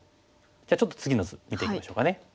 じゃあちょっと次の図見ていきましょうかね。